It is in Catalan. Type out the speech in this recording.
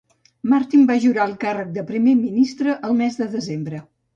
Martin va jurar el càrrec de Primer Ministre el mes de desembre.